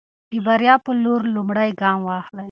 د بریا په لور لومړی ګام واخلئ.